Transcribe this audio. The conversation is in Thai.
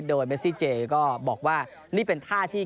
โดยเมซิเจก็บอกว่านี่เป็นท่าที่